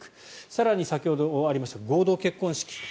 更に先ほどありました合同結婚式。